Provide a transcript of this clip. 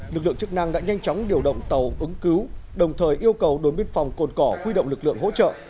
lực lượng chức năng đã nhanh chóng điều động tàu ứng cứu đồng thời yêu cầu đồn biên phòng cồn cỏ quy động lực lượng hỗ trợ